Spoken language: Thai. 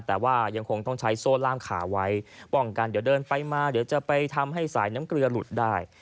แต่ว่ายังคงต้องใช้โซ่ล่ามขาไว้ป้องกันเดี๋ยวเดินไปมาเดี๋ยวจะไปทำให้สายน้ำเกลือหลุดได้